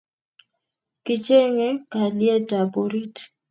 Kicheng'e kalyet ab orit